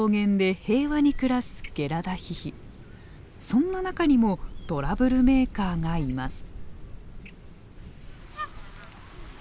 そんな中にもトラブルメーカーがいます。